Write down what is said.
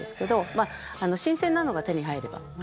まあ新鮮なのが手に入れば生も。